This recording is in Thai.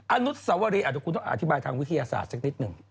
อนุสวรีอาจจะคุณต้องอธิบายทางวิทยาศาสตร์สักนิดหนึ่ง